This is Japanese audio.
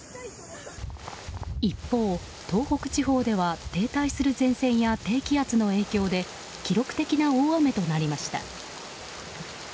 一方、東北地方では停滞する前線や低気圧の影響で記録的な大雨となりました。